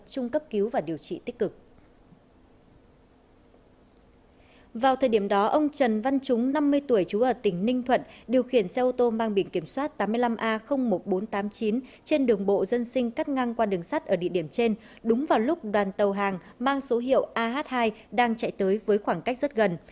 năm mươi tuổi chú ở tỉnh ninh thuận điều khiển xe ô tô mang biển kiểm soát tám mươi năm a một nghìn bốn trăm tám mươi chín trên đường bộ dân sinh cắt ngang qua đường sắt ở địa điểm trên đúng vào lúc đoàn tàu hàng mang số hiệu ah hai đang chạy tới với khoảng cách rất gần